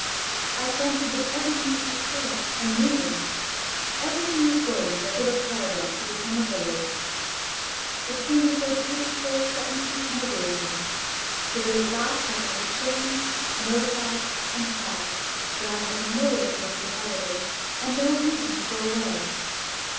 I fancied that everything was astir and moving, everything was going in regular caravans to the summer villas. It seemed as though Petersburg threatened to become a wilderness, so that at last I felt ashamed, mortified and sad that I had nowhere to go for the holidays and no reason to go away.